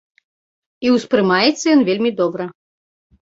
І ўспрымаецца ён вельмі добра.